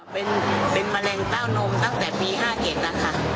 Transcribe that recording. เป็นมะเร็งเต้านมตั้งแต่ปี๕๗นะคะ